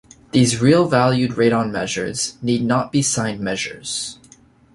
These real-valued Radon measures need not be signed measures.